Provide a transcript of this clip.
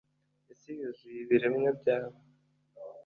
isi yuzuye ibiremwa byawe